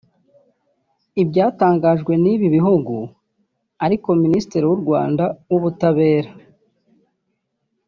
Ibyatangajwe n’ibi bihugu ariko Ministre w’u Rwanda w’Ubutabera